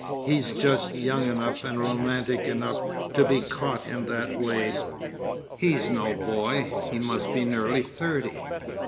He's just young enough and romantic enough to be caught in that way!" "He's no boy. He must be nearly thirty."